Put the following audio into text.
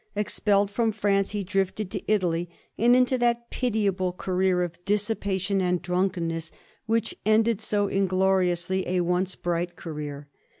Expelled from France, he drifted to Italy, and into that pitiable career of dissipation and drunkenness which end ed so ingloriously a once bright career.